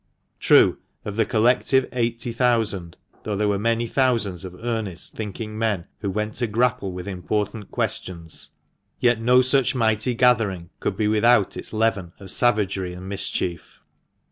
True, of the collective eighty thousand, though there were many thousands of earnest, thinking men who went to grapple with important questions, yet no such mighty gathering could be without its leaven of savagery and mischief.